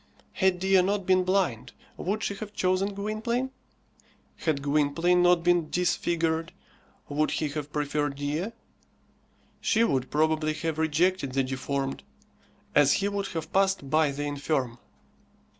Had Dea not been blind, would she have chosen Gwynplaine? Had Gwynplaine not been disfigured, would he have preferred Dea? She would probably have rejected the deformed, as he would have passed by the infirm.